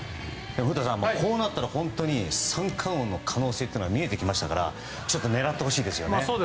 古田さん、こうなったら三冠王の可能性が見えてきましたから狙ってほしいですよね。